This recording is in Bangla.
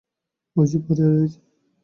ঐ-যে পড়ে রয়েছে।